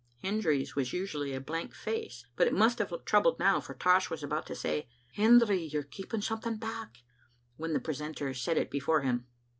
Hendry's was usually a blank face, but it must have looked troubled now, for Tosh was about to say, "Hendry, you're keeping something back," when the precentor said it before him.